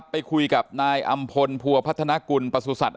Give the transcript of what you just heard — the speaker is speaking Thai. ไปคุยกับนายอำพลพัวพัฒนากุลประสุทธิ